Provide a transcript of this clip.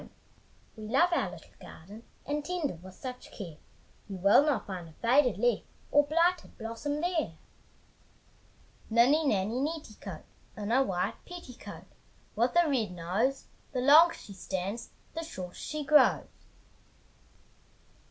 We love our little garden, And tend it with such care, You will not find a faded leaf Or blighted blossom there. Ninny nanny netticoat, In a white petticoat, With a red nose, The longer she stands, The shorter she grows.